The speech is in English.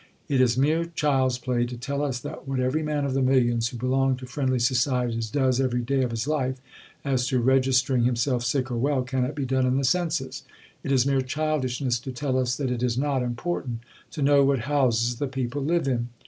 It is mere child's play to tell us that what every man of the millions who belong to Friendly Societies does every day of his life, as to registering himself sick or well, cannot be done in the Census. It is mere childishness to tell us that it is not important to know what houses the people live in.